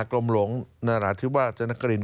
กรมหลวงนราธิวาทะนักกริณ